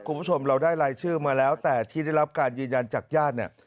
คุณผู้ชมเราได้รายชื่อมาแล้วแต่ที่ได้รับการยืนยันจากญาติเนี่ย